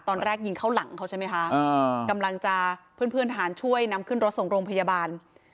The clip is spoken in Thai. ตอนแรกยิงเข้าหลังเขาใช่ไหมคะกำลังจะเพื่อนทหารช่วยนำขึ้นรถส่งโรงพยาบาล